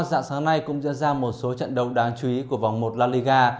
dạng sáng nay cũng diễn ra một số trận đấu đáng chú ý của vòng một la liga